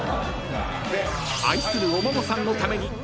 ［愛するお孫さんのために長州力